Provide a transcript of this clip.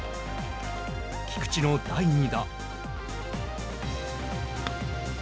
菊地の第２打。